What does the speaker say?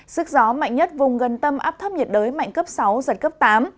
sức gió mạnh nhất vùng gần tâm áp thấp nhiệt đới mạnh cấp sáu giật cấp tám